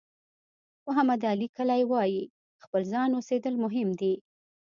محمد علي کلي وایي خپل ځان اوسېدل مهم دي.